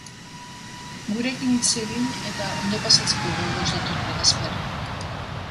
Gurekin hitz egin eta ondo pasatzeko gogoz dator legazpiarra.